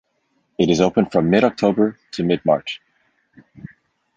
It is open from mid-October to mid-March.